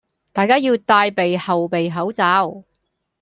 大家要帶備後備口罩